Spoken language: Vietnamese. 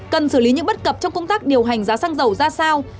cần xử lý những bất cập trong công tác điều hành giá xăng dầu ra sao